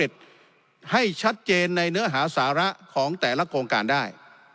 ให้ชัดเจนในเนื้อหาสาระของแต่ละโครงการได้